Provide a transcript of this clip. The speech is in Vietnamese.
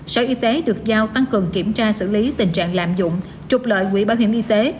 sở y tế được giao tăng cường kiểm tra xử lý tình trạng lạm dụng trục lợi quỹ bảo hiểm y tế